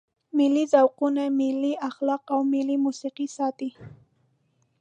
ملي ذوقونه، ملي اخلاق او ملي موسیقي ساتي.